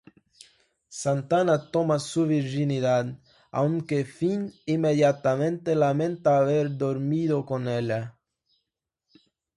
Santana toma su virginidad, aunque Finn inmediatamente lamenta haber dormido con ella.